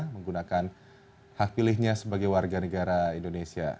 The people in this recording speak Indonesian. menggunakan hak pilihnya sebagai warga negara indonesia